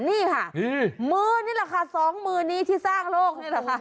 นี่ค่ะมือนี่แหละค่ะ๒มือนี้ที่สร้างโลก